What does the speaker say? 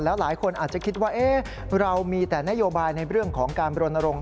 หลายคนอาจจะคิดว่าเรามีแต่นโยบายในเรื่องของการบรณรงค